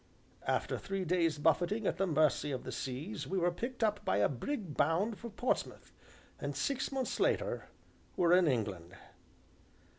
After three days' buffeting at the mercy of the seas, we were picked up by a brig bound for Portsmouth, and, six months later, were in England.